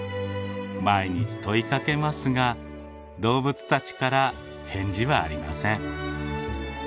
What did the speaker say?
毎日問いかけますが動物たちから返事はありません。